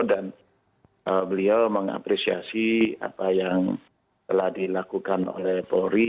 beliau mengapresiasi apa yang telah dilakukan oleh polri